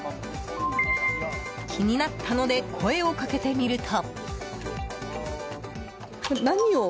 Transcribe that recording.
気になったので声をかけてみると。